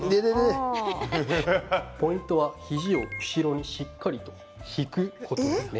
ポイントは、肘を後ろにしっかり引くことですね。